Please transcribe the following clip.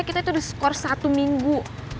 kita itu udah skor satu minggu